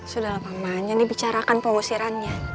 sudahlah paman ini bicarakan pengusirannya